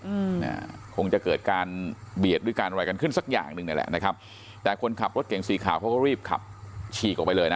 อืมอ่าคงจะเกิดการเบียดด้วยการอะไรกันขึ้นสักอย่างหนึ่งนี่แหละนะครับแต่คนขับรถเก่งสีขาวเขาก็รีบขับฉีกออกไปเลยนะ